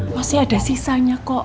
pasti ada sisanya kok